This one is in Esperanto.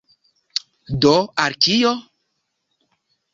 Do al kio?